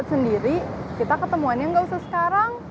kita sendiri kita ketemuannya gak usah sekarang